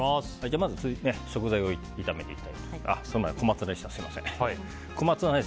まず、食材を炒めていきます。